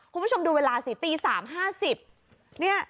คุณผู้ชมดูเวลาสิตีสามห้าสิบเนี้ย